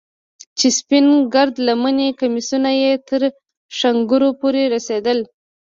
چې سپين گرد لمني کميسونه يې تر ښنگرو پورې رسېدل.